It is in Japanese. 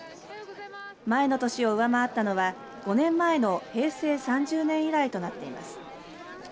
前の年を上回ったのは５年前の平成３０年以来となっています。